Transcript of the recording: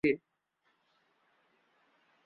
MBBS সম্পন্ন করেন Rajshahi medical college থেকে।